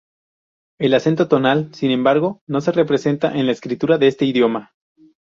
El acento tonal, sin embargo, no se representa en la escritura de este idioma.